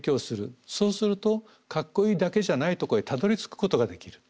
そうするとかっこいいだけじゃないとこへたどりつくことができる。